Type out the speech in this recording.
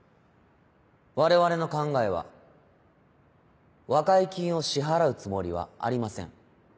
我々の考えは和解金を支払うつもりはありません。